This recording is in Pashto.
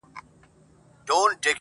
لکه پتڼ وزر مي وړمه د سره اور تر کلي!!